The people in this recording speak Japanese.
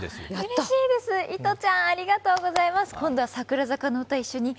うれしいですいとちゃん、ありがとうございます！